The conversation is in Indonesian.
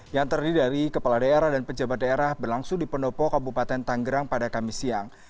yang terdiri dari kepala daerah dan pejabat daerah berlangsung di pendopo kabupaten tanggerang pada kamis siang